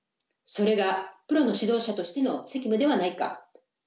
それがプロの指導者としての責務ではないか？